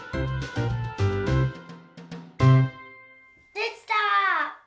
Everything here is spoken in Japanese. できた！